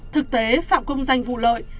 thực tế phạm công danh vụ lợi